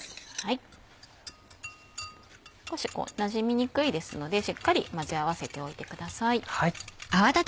少しなじみにくいですのでしっかり混ぜ合わせておいてください。